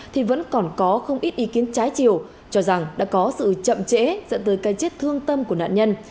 thì vẫn còn có không ít ý kiến trái chiều cho rằng đã có sự chậm trễ dẫn tới cái chết thương tâm của nạn nhân